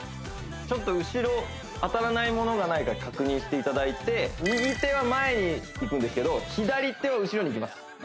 ちょっと後ろ当たらないものがないか確認していただいて右手は前にいくんですけど左手を後ろにいきます